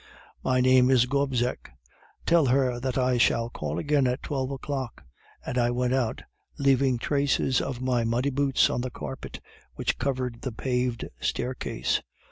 "'"My name is Gobseck, tell her that I shall call again at twelve o'clock," and I went out, leaving traces of my muddy boots on the carpet which covered the paved staircase.